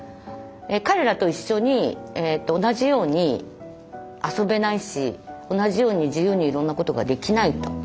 彼らと一緒に同じように遊べないし同じように自由にいろんなことができないと。